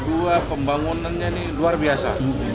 dua pembangunannya ini luar biasa